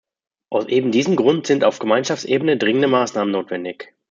Aus eben diesem Grund sind auf Gemeinschaftsebene dringende Maßnahmen notwendig.